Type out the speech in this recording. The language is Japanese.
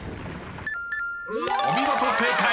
［お見事正解］